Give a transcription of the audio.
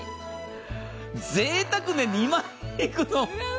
ぜいたくに２枚いくの？！